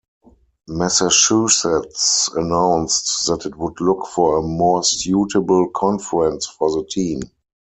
Massachusetts announced that it would look for a "more suitable conference" for the team.